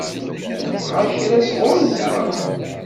Tebɣa kra sɣur-nteɣ?